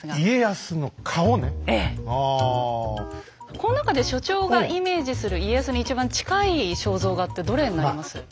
この中で所長がイメージする家康に一番近い肖像画ってどれになります？